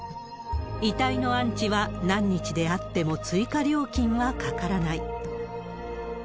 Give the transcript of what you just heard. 遺体の安置は何日であっても追加料金はかからない。